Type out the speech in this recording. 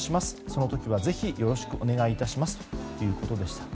その時はぜひよろしくお願いしますということでした。